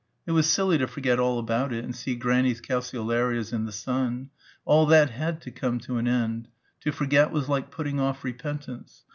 It was silly to forget all about it and see Granny's calceolarias in the sun ... all that had to come to an end.... To forget was like putting off repentance.